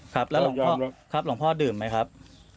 ครับแล้วหลังพ่อดื่มไหมครับ